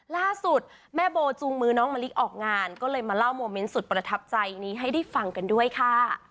ล่าสุดแม่โบจูงมือน้องมะลิออกงานก็เลยมาเล่าโมเมนต์สุดประทับใจนี้ให้ได้ฟังกันด้วยค่ะ